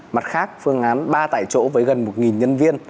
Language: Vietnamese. mặt khác phương án ba tại chỗ với gần một nhân viên